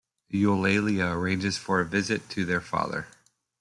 Eulalia arranges for a visit to their father.